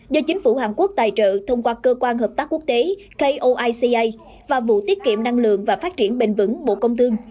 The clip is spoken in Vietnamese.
do chính phủ hàn quốc tài trợ thông qua cơ quan hợp tác quốc tế koica và vụ tiết kiệm năng lượng và phát triển bền vững bộ công thương